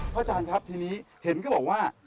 อาจารย์ครับทีนี้เห็นก็บอกว่า